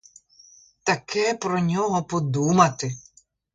Таке про нього подумати!